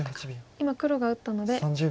今黒が打ったので。